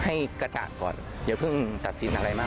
ให้กระจ่างก่อนอย่าเพิ่งตัดสินอะไรมาก